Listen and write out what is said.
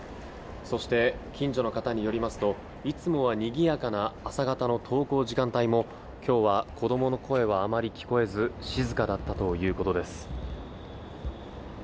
そして、近所の方によりますといつもはにぎやかな朝方の登校時間帯も今日は子供の声はあまり聞こえず静かだったということです。